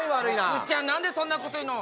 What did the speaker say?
ふくちゃん何でそんなこと言うの！